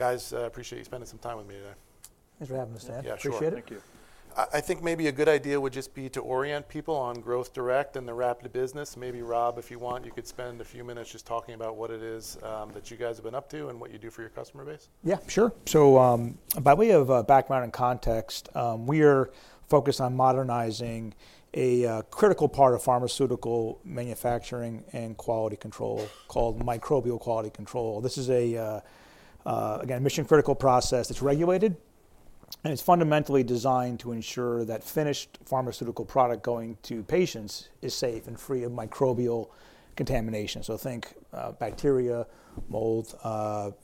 Guys, I appreciate you spending some time with me today. Thanks for having us, Dan. Yeah, sure. Appreciate it. Thank you. I think maybe a good idea would just be to orient people on Growth Direct and the Rapid Business. Maybe, Rob, if you want, you could spend a few minutes just talking about what it is that you guys have been up to and what you do for your customer base. Yeah, sure. So, by way of background and context, we are focused on modernizing a critical part of pharmaceutical manufacturing and quality control called microbial quality control. This is a, again, mission-critical process that's regulated, and it's fundamentally designed to ensure that finished pharmaceutical product going to patients is safe and free of microbial contamination. So, think bacteria, mold,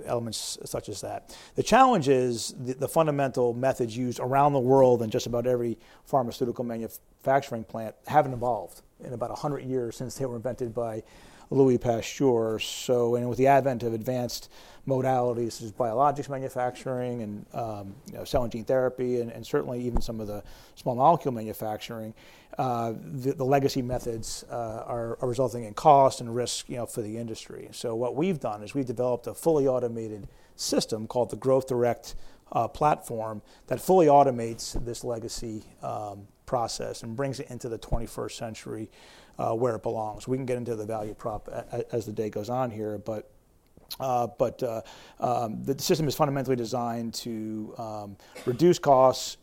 elements such as that. The challenge is the fundamental methods used around the world in just about every pharmaceutical manufacturing plant haven't evolved in about 100 years since they were invented by Louis Pasteur. So, and with the advent of advanced modalities such as biologics manufacturing and cell and gene therapy, and certainly even some of the small molecule manufacturing, the legacy methods are resulting in cost and risk for the industry. What we've done is we've developed a fully automated system called the Growth Direct platform that fully automates this legacy process and brings it into the 21st century where it belongs. We can get into the value prop as the day goes on here, but the system is fundamentally designed to reduce costs,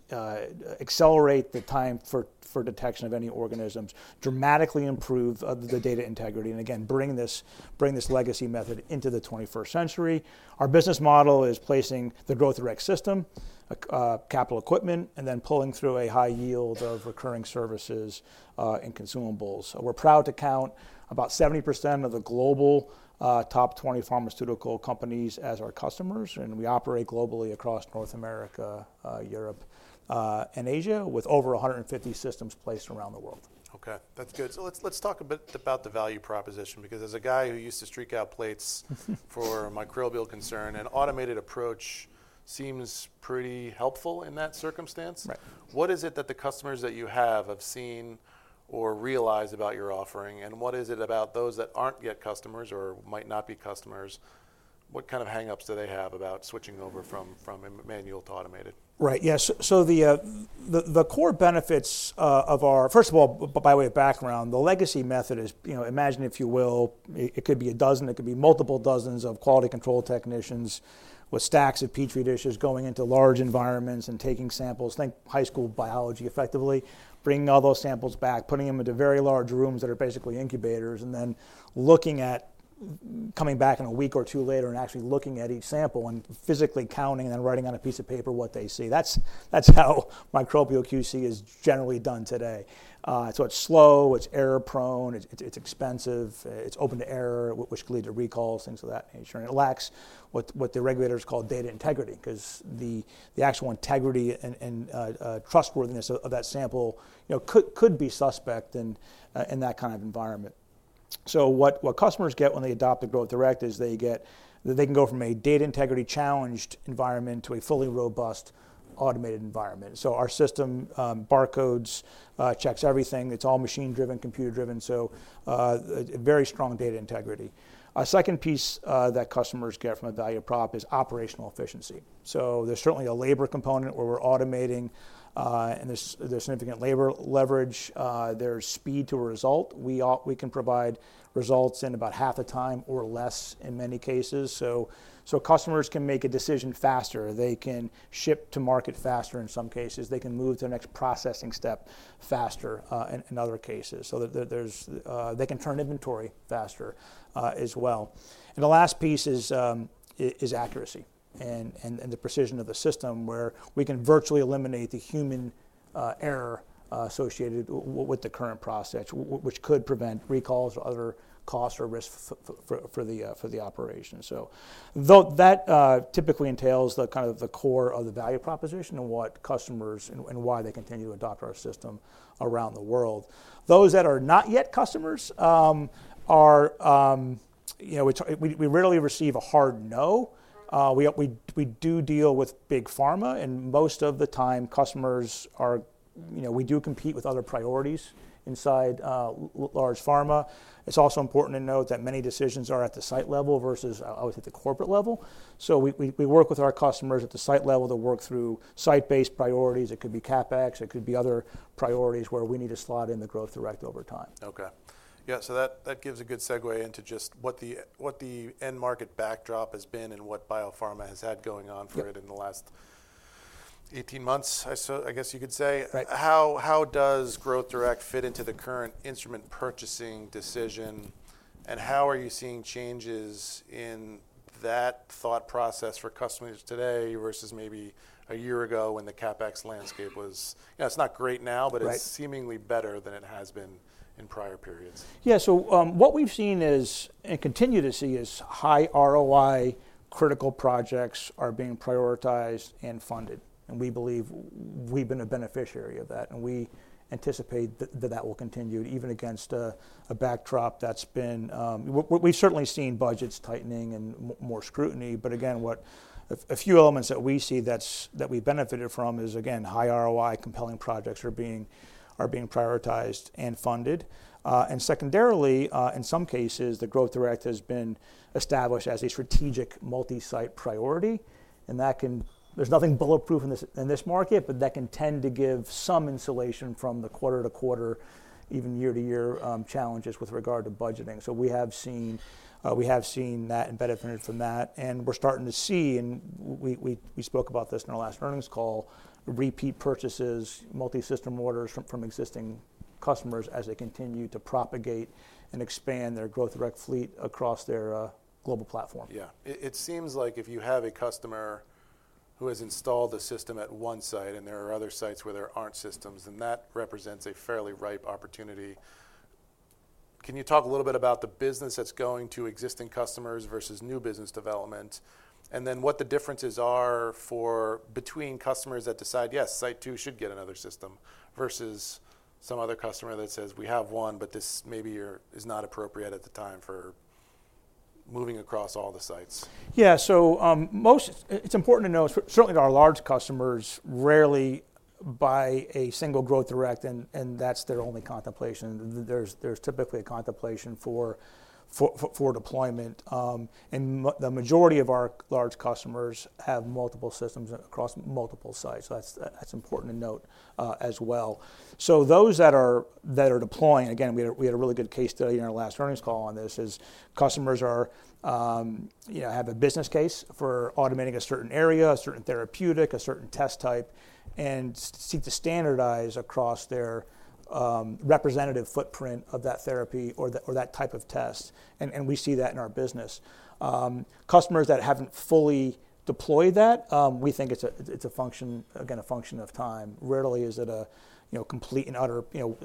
accelerate the time for detection of any organisms, dramatically improve the data integrity, and again, bring this legacy method into the 21st century. Our business model is placing the Growth Direct system, capital equipment, and then pulling through a high yield of recurring services and consumables. We're proud to count about 70% of the global top 20 pharmaceutical companies as our customers, and we operate globally across North America, Europe, and Asia with over 150 systems placed around the world. Okay, that's good. So, let's talk a bit about the value proposition because as a guy who used to streak out plates for microbial QC, an automated approach seems pretty helpful in that circumstance. What is it that the customers that you have have seen or realized about your offering, and what is it about those that aren't yet customers or might not be customers, what kind of hang-ups do they have about switching over from manual to automated? Right, yeah. So, the core benefits of our, first of all, by way of background, the legacy method is, imagine, if you will, it could be a dozen, it could be multiple dozens of quality control technicians with stacks of Petri dishes going into large environments and taking samples, think high school biology effectively, bringing all those samples back, putting them into very large rooms that are basically incubators, and then looking at, coming back in a week or two later and actually looking at each sample and physically counting and then writing on a piece of paper what they see. That's how microbial QC is generally done today. So, it's slow, it's error-prone, it's expensive, it's open to error, which could lead to recalls, things of that nature. And it lacks what the regulators call data integrity because the actual integrity and trustworthiness of that sample could be suspect in that kind of environment. So, what customers get when they adopt the Growth Direct is they can go from a data integrity challenged environment to a fully robust automated environment. So, our system barcodes, checks everything, it's all machine-driven, computer-driven, so very strong data integrity. A second piece that customers get from a value prop is operational efficiency. So, there's certainly a labor component where we're automating, and there's significant labor leverage, there's speed to a result. We can provide results in about half the time or less in many cases. So, customers can make a decision faster, they can ship to market faster in some cases, they can move to the next processing step faster in other cases. So, they can turn inventory faster as well. And the last piece is accuracy and the precision of the system where we can virtually eliminate the human error associated with the current process, which could prevent recalls or other costs or risks for the operation. So, that typically entails the kind of the core of the value proposition and what customers and why they continue to adopt our system around the world. Those that are not yet customers are, we rarely receive a hard no. We do deal with big pharma, and most of the time customers are, we do compete with other priorities inside large pharma. It's also important to note that many decisions are at the site level versus, I would say, the corporate level. So, we work with our customers at the site level to work through site-based priorities. It could be CapEx, it could be other priorities where we need to slot in the Growth Direct over time. Okay. Yeah, so that gives a good segue into just what the end market backdrop has been and what biopharma has had going on for it in the last 18 months, I guess you could say. How does Growth Direct fit into the current instrument purchasing decision, and how are you seeing changes in that thought process for customers today versus maybe a year ago when the CapEx landscape was, it's not great now, but it's seemingly better than it has been in prior periods? Yeah, so what we've seen is, and continue to see, is high ROI critical projects are being prioritized and funded, and we believe we've been a beneficiary of that, and we anticipate that that will continue even against a backdrop that's been. We've certainly seen budgets tightening and more scrutiny, but again, a few elements that we see that we've benefited from is, again, high ROI compelling projects are being prioritized and funded. And secondarily, in some cases, the Growth Direct has been established as a strategic multi-site priority, and there's nothing bulletproof in this market, but that can tend to give some insulation from the quarter-to-quarter, even year-to-year challenges with regard to budgeting. So, we have seen that and benefited from that, and we're starting to see, and we spoke about this in our last earnings call, repeat purchases, multi-system orders from existing customers as they continue to propagate and expand their Growth Direct fleet across their global platform. Yeah. It seems like if you have a customer who has installed the system at one site and there are other sites where there aren't systems, then that represents a fairly ripe opportunity. Can you talk a little bit about the business that's going to existing customers versus new business development, and then what the differences are between customers that decide, yes, site two should get another system versus some other customer that says, we have one, but this maybe is not appropriate at the time for moving across all the sites? Yeah, so it's important to note, certainly our large customers rarely buy a single Growth Direct, and that's their only contemplation. There's typically a contemplation for deployment, and the majority of our large customers have multiple systems across multiple sites, so that's important to note as well. So, those that are deploying, again, we had a really good case study in our last earnings call on this, is customers have a business case for automating a certain area, a certain therapeutic, a certain test type, and seek to standardize across their representative footprint of that therapy or that type of test, and we see that in our business. Customers that haven't fully deployed that, we think it's a function, again, of time. Rarely is it a complete and utter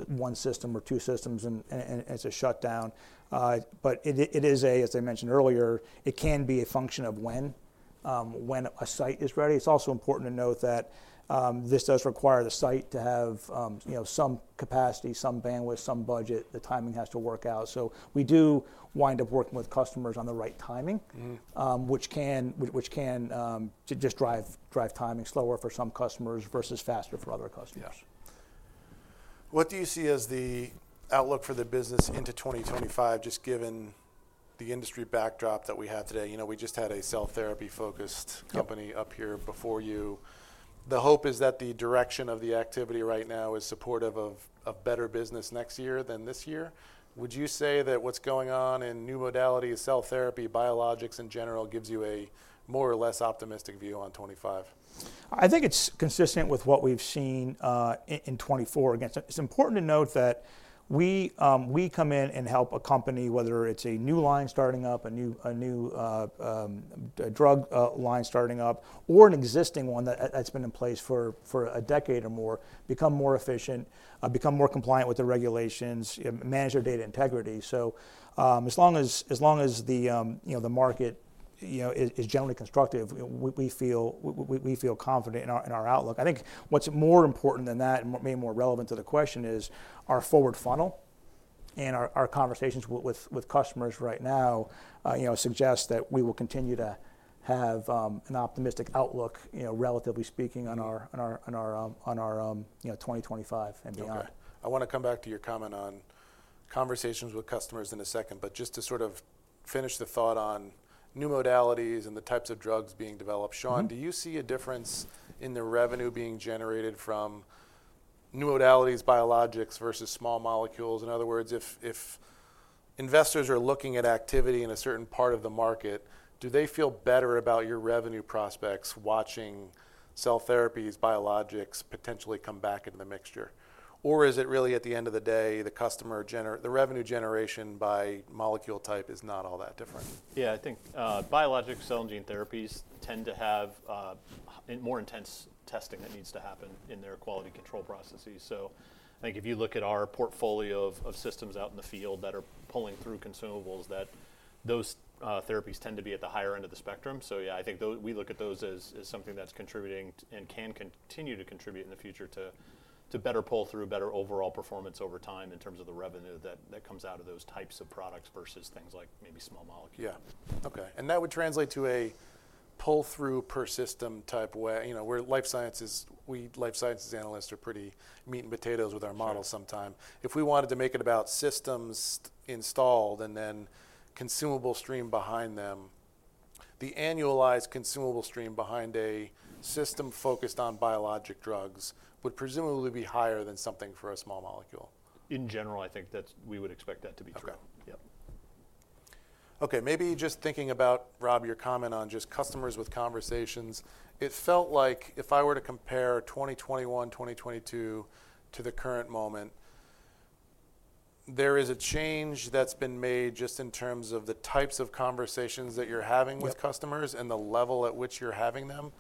one system or two systems and it's a shutdown, but it is, as I mentioned earlier, it can be a function of when a site is ready. It's also important to note that this does require the site to have some capacity, some bandwidth, some budget. The timing has to work out, so we do wind up working with customers on the right timing, which can just drive timing slower for some customers versus faster for other customers. What do you see as the outlook for the business into 2025, just given the industry backdrop that we have today? We just had a cell therapy-focused company up here before you. The hope is that the direction of the activity right now is supportive of better business next year than this year. Would you say that what's going on in new modalities, cell therapy, biologics in general, gives you a more or less optimistic view on 2025? I think it's consistent with what we've seen in 2024. Again, it's important to note that we come in and help a company, whether it's a new line starting up, a new drug line starting up, or an existing one that's been in place for a decade or more, become more efficient, become more compliant with the regulations, manage their data integrity. So, as long as the market is generally constructive, we feel confident in our outlook. I think what's more important than that, maybe more relevant to the question, is our forward funnel and our conversations with customers right now suggest that we will continue to have an optimistic outlook, relatively speaking, on our 2025 and beyond. Okay. I want to come back to your comment on conversations with customers in a second, but just to sort of finish the thought on new modalities and the types of drugs being developed, Sean, do you see a difference in the revenue being generated from new modalities, biologics versus small molecules? In other words, if investors are looking at activity in a certain part of the market, do they feel better about your revenue prospects watching cell therapies, biologics potentially come back into the mixture? Or is it really at the end of the day, the customer generation, the revenue generation by molecule type is not all that different? Yeah, I think biologics, cell and gene therapies tend to have more intense testing that needs to happen in their quality control processes. So, I think if you look at our portfolio of systems out in the field that are pulling through consumables, those therapies tend to be at the higher end of the spectrum. So, yeah, I think we look at those as something that's contributing and can continue to contribute in the future to better pull through, better overall performance over time in terms of the revenue that comes out of those types of products versus things like maybe small molecules. Yeah. Okay. And that would translate to a pull-through-per-system type way, where life sciences, we life sciences analysts are pretty meat and potatoes with our models sometimes. If we wanted to make it about systems installed and then consumable stream behind them, the annualized consumable stream behind a system focused on biologics would presumably be higher than something for a small molecule. In general, I think that we would expect that to be true. Okay. Yep. Okay. Maybe just thinking about, Rob, your comment on just customers with conversations, it felt like if I were to compare 2021, 2022 to the current moment, there is a change that's been made just in terms of the types of conversations that you're having with customers and the level at which you're having them.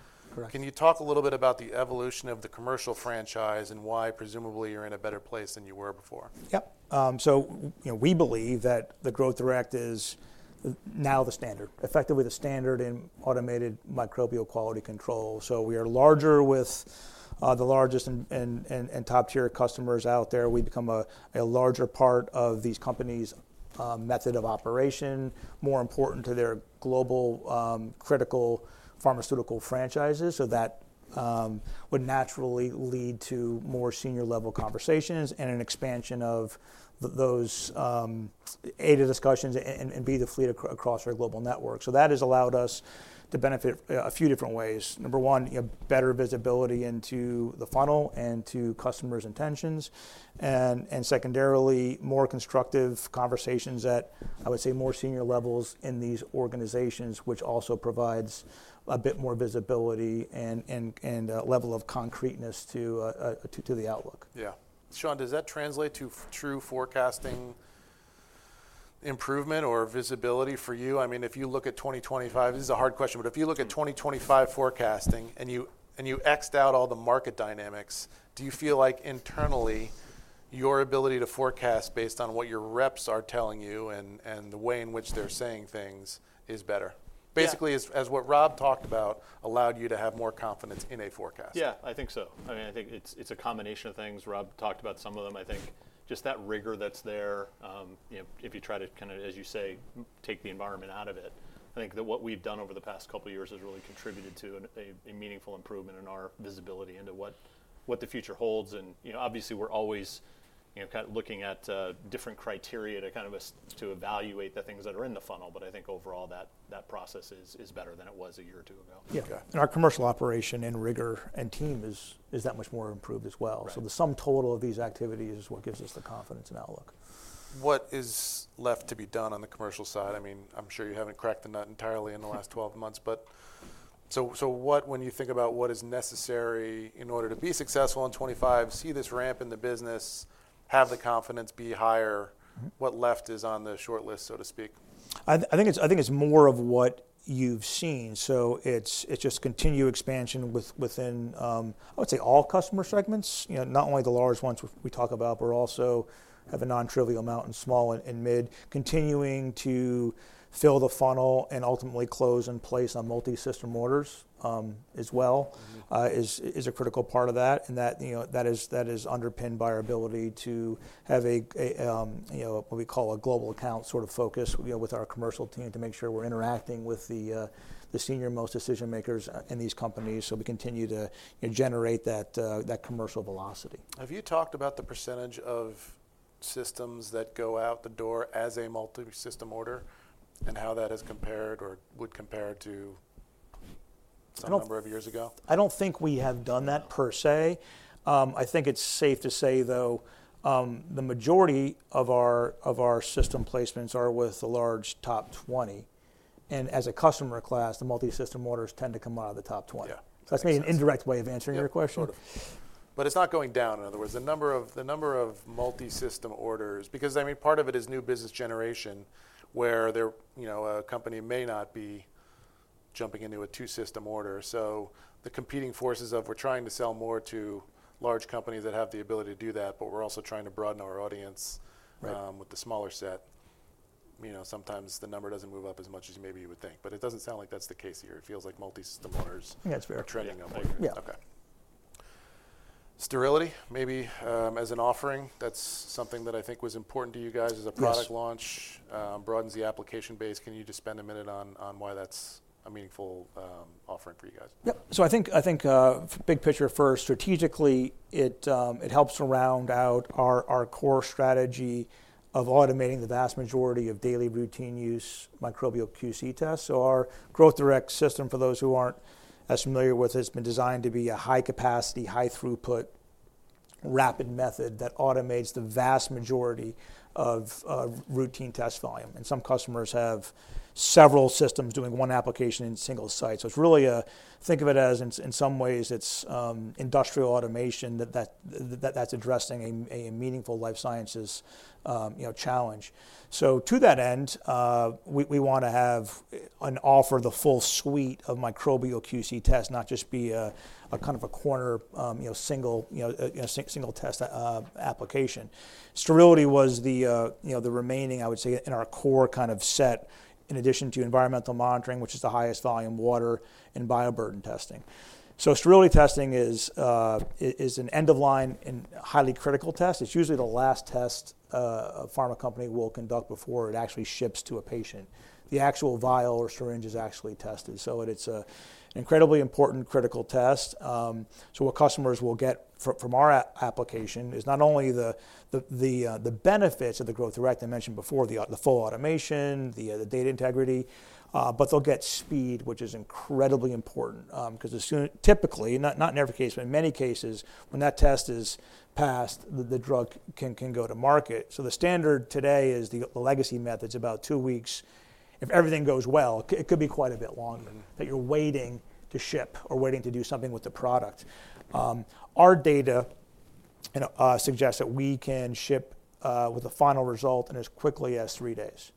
Can you talk a little bit about the evolution of the commercial franchise and why presumably you're in a better place than you were before? Yep. So, we believe that the Growth Direct is now the standard, effectively the standard in automated microbial quality control. So, we are larger with the largest and top-tier customers out there. We become a larger part of these companies' method of operation, more important to their global critical pharmaceutical franchises. So, that would naturally lead to more senior-level conversations and an expansion of those A, the discussions and B, the fleet across our global network. So, that has allowed us to benefit a few different ways. Number one, better visibility into the funnel and to customers' intentions. And secondarily, more constructive conversations at, I would say, more senior levels in these organizations, which also provides a bit more visibility and level of concreteness to the outlook. Yeah. Sean, does that translate to true forecasting improvement or visibility for you? I mean, if you look at 2025, this is a hard question, but if you look at 2025 forecasting and you Xed out all the market dynamics, do you feel like internally your ability to forecast based on what your reps are telling you and the way in which they're saying things is better? Basically, as what Rob talked about, allowed you to have more confidence in a forecast. Yeah, I think so. I mean, I think it's a combination of things. Rob talked about some of them. I think just that rigor that's there, if you try to kind of, as you say, take the environment out of it, I think that what we've done over the past couple of years has really contributed to a meaningful improvement in our visibility into what the future holds, and obviously, we're always kind of looking at different criteria to kind of evaluate the things that are in the funnel, but I think overall that process is better than it was a year or two ago. Yeah, and our commercial operation and rigor and team is that much more improved as well, so the sum total of these activities is what gives us the confidence and outlook. What is left to be done on the commercial side? I mean, I'm sure you haven't cracked the nut entirely in the last 12 months, but so what when you think about what is necessary in order to be successful in 2025, see this ramp in the business, have the confidence be higher, what left is on the short list, so to speak? I think it's more of what you've seen. So, it's just continued expansion within, I would say, all customer segments, not only the large ones we talk about, but also have a non-trivial amount in small and mid, continuing to fill the funnel and ultimately close in place on multi-system orders as well is a critical part of that, and that is underpinned by our ability to have what we call a global account sort of focus with our commercial team to make sure we're interacting with the senior-most decision-makers in these companies so we continue to generate that commercial velocity. Have you talked about the percentage of systems that go out the door as a multi-system order and how that has compared or would compare to some number of years ago? I don't think we have done that per se. I think it's safe to say, though, the majority of our system placements are with the large top 20, and as a customer class, the multi-system orders tend to come out of the top 20. That's maybe an indirect way of answering your question. But it's not going down, in other words. The number of multi-system orders, because I mean, part of it is new business generation where a company may not be jumping into a two-system order. So, the competing forces of we're trying to sell more to large companies that have the ability to do that, but we're also trying to broaden our audience with the smaller set. Sometimes the number doesn't move up as much as maybe you would think, but it doesn't sound like that's the case here. It feels like multi-system orders are trending up. Yeah, it's very trending. Okay. Sterility, maybe as an offering, that's something that I think was important to you guys as a product launch, broadens the application base. Can you just spend a minute on why that's a meaningful offering for you guys? Yep. So, I think big picture first, strategically, it helps to round out our core strategy of automating the vast majority of daily routine use microbial QC tests. So, our Growth Direct system, for those who aren't as familiar with it, has been designed to be a high-capacity, high-throughput, rapid method that automates the vast majority of routine test volume. And some customers have several systems doing one application in single sites. So, it's really a, think of it as in some ways, it's industrial automation that's addressing a meaningful life sciences challenge. So, to that end, we want to have an offer the full suite of microbial QC tests, not just be a kind of a corner single test application. Sterility was the remaining, I would say, in our core kind of set in addition to environmental monitoring, which is the highest volume water and bioburden testing. Sterility testing is an end-of-line and highly critical test. It's usually the last test a pharma company will conduct before it actually ships to a patient. The actual vial or syringe is actually tested. It's an incredibly important critical test. What customers will get from our application is not only the benefits of the Growth Direct I mentioned before, the full automation, the data integrity, but they'll get speed, which is incredibly important, because typically, not in every case, but in many cases, when that test is passed, the drug can go to market. The standard today is the legacy method's about two weeks. If everything goes well, it could be quite a bit longer that you're waiting to ship or waiting to do something with the product. Our data suggests that we can ship with a final result in as quickly as three days.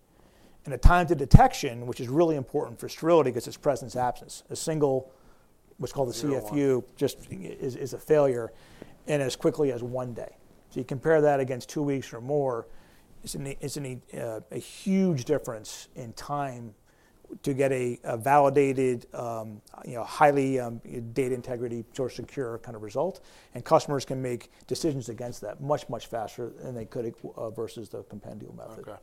The time to detection, which is really important for sterility because it's presence-absence, a single, what's called a CFU, just is a failure in as quickly as one day. You compare that against two weeks or more. It's a huge difference in time to get a validated, highly data integrity, sort of secure kind of result, and customers can make decisions against that much, much faster than they could versus the compendial method. Okay.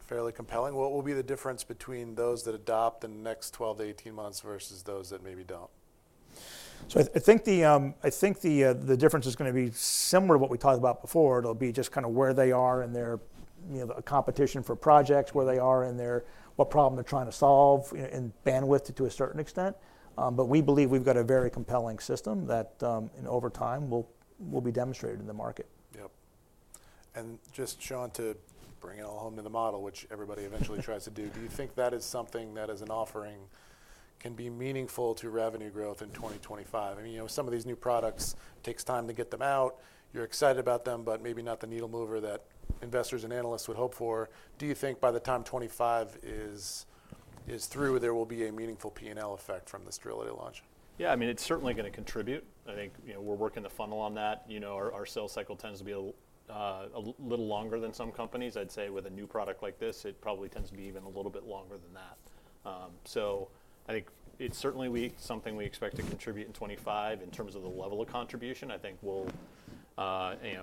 Fairly compelling. What will be the difference between those that adopt in the next 12 to 18 months versus those that maybe don't? I think the difference is going to be similar to what we talked about before. It'll be just kind of where they are in their competition for projects, what problem they're trying to solve in bandwidth to a certain extent. But we believe we've got a very compelling system that over time will be demonstrated in the market. Yep. And just, Sean, to bring it all home to the model, which everybody eventually tries to do, do you think that is something that as an offering can be meaningful to revenue growth in 2025? I mean, some of these new products, it takes time to get them out. You're excited about them, but maybe not the needle mover that investors and analysts would hope for. Do you think by the time 2025 is through, there will be a meaningful P&L effect from the sterility launch? Yeah. I mean, it's certainly going to contribute. I think we're working the funnel on that. Our sales cycle tends to be a little longer than some companies. I'd say with a new product like this, it probably tends to be even a little bit longer than that. So, I think it's certainly something we expect to contribute in 2025 in terms of the level of contribution. I think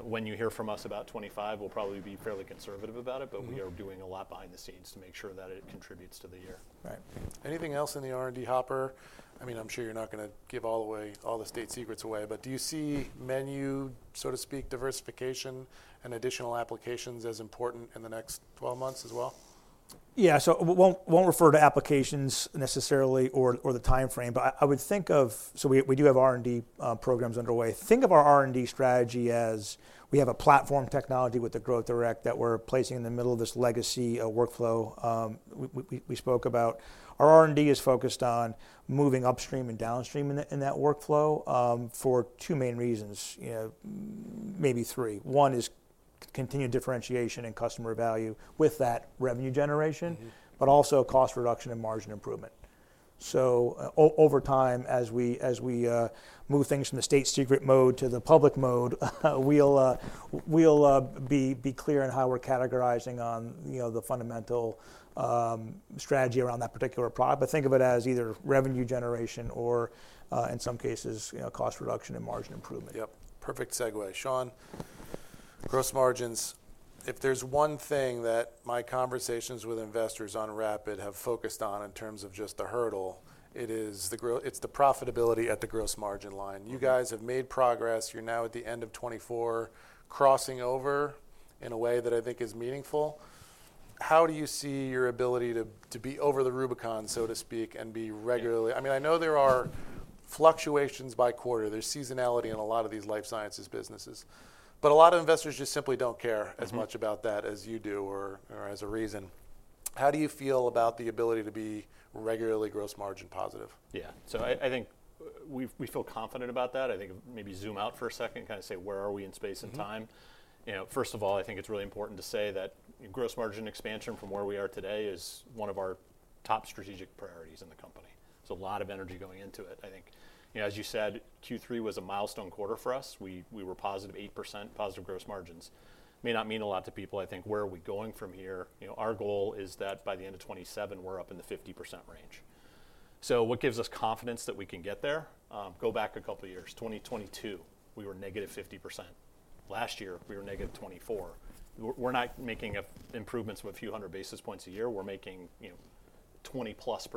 when you hear from us about 2025, we'll probably be fairly conservative about it, but we are doing a lot behind the scenes to make sure that it contributes to the year. Right. Anything else in the R&D hopper? I mean, I'm sure you're not going to give all the state secrets away, but do you see any new, so to speak, diversification and additional applications as important in the next 12 months as well? Yeah. So we won't refer to applications necessarily or the timeframe, but I would think of, so we do have R&D programs underway. Think of our R&D strategy as we have a platform technology with the Growth Direct that we're placing in the middle of this legacy workflow we spoke about. Our R&D is focused on moving upstream and downstream in that workflow for two main reasons, maybe three. One is continued differentiation and customer value with that revenue generation, but also cost reduction and margin improvement. So, over time, as we move things from the state secret mode to the public mode, we'll be clear in how we're categorizing on the fundamental strategy around that particular product. But think of it as either revenue generation or, in some cases, cost reduction and margin improvement. Yep. Perfect segue. Sean, gross margins. If there's one thing that my conversations with investors on Rapid have focused on in terms of just the hurdle, it's the profitability at the gross margin line. You guys have made progress. You're now at the end of 2024, crossing over in a way that I think is meaningful. How do you see your ability to be over the Rubicon, so to speak, and be regularly? I mean, I know there are fluctuations by quarter. There's seasonality in a lot of these life sciences businesses, but a lot of investors just simply don't care as much about that as you do or as a reason. How do you feel about the ability to be regularly gross margin positive? Yeah. So, I think we feel confident about that. I think maybe zoom out for a second, kind of say where are we in space and time? First of all, I think it's really important to say that gross margin expansion from where we are today is one of our top strategic priorities in the company. There's a lot of energy going into it. I think, as you said, Q3 was a milestone quarter for us. We were positive 8%, positive gross margins. May not mean a lot to people. I think where are we going from here? Our goal is that by the end of 2027, we're up in the 50% range. So, what gives us confidence that we can get there? Go back a couple of years. 2022, we were negative 50%. Last year, we were negative 24%. We're not making improvements of a few hundred basis points a year. We're making 20-plus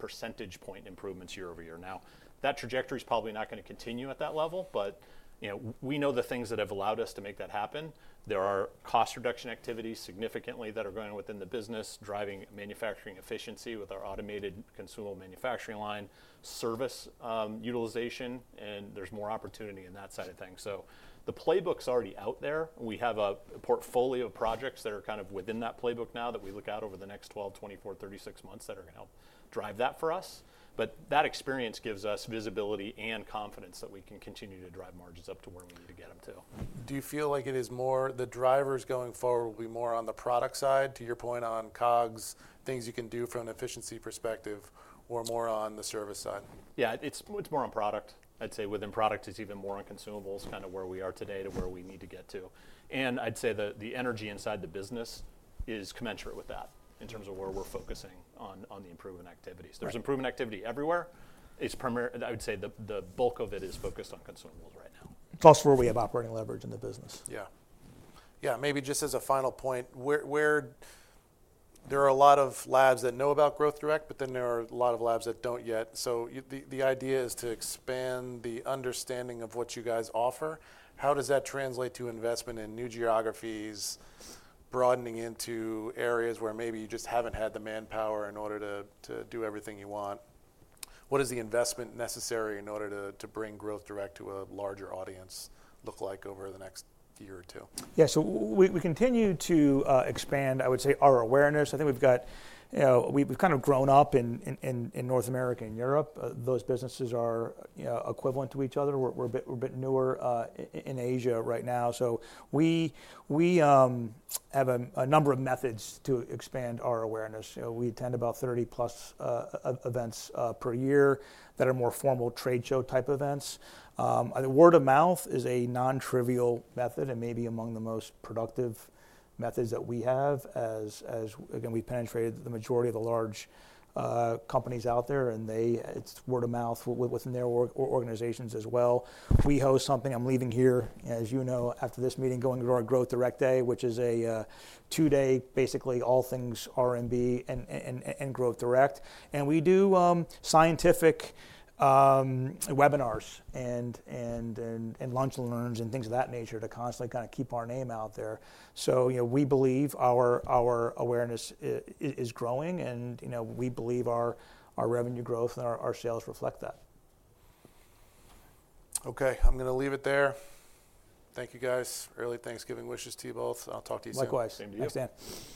percentage point improvements year over year. Now, that trajectory is probably not going to continue at that level, but we know the things that have allowed us to make that happen. There are cost reduction activities significantly that are going on within the business, driving manufacturing efficiency with our automated consumable manufacturing line, service utilization, and there's more opportunity in that side of things. So, the playbook's already out there. We have a portfolio of projects that are kind of within that playbook now that we look out over the next 12, 24, 36 months that are going to help drive that for us. But that experience gives us visibility and confidence that we can continue to drive margins up to where we need to get them to. Do you feel like it is more the drivers going forward will be more on the product side, to your point on COGS, things you can do from an efficiency perspective, or more on the service side? Yeah, it's more on product. I'd say within product, it's even more on consumables, kind of where we are today to where we need to get to. And I'd say the energy inside the business is commensurate with that in terms of where we're focusing on the improvement activities. There's improvement activity everywhere. I would say the bulk of it is focused on consumables right now. Plus where we have operating leverage in the business. Yeah. Yeah. Maybe just as a final point, there are a lot of labs that know about Growth Direct, but then there are a lot of labs that don't yet. So, the idea is to expand the understanding of what you guys offer. How does that translate to investment in new geographies, broadening into areas where maybe you just haven't had the manpower in order to do everything you want? What does the investment necessary in order to bring Growth Direct to a larger audience look like over the next year or two? Yeah. So, we continue to expand, I would say, our awareness. I think we've got. We've kind of grown up in North America and Europe. Those businesses are equivalent to each other. We're a bit newer in Asia right now. So, we have a number of methods to expand our awareness. We attend about 30-plus events per year that are more formal trade show type events. Word of mouth is a non-trivial method and maybe among the most productive methods that we have as, again, we penetrated the majority of the large companies out there, and it's word of mouth within their organizations as well. We host something. I'm leaving here, as you know, after this meeting, going to our Growth Direct Day, which is a two-day, basically all things R&D and Growth Direct. And we do scientific webinars and lunch and learns and things of that nature to constantly kind of keep our name out there. So, we believe our awareness is growing, and we believe our revenue growth and our sales reflect that. Okay. I'm going to leave it there. Thank you, guys. Early Thanksgiving wishes to you both. I'll talk to you soon. Likewise. Same to you. Thanks, Dan.